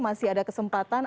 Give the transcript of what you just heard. masih ada kesempatan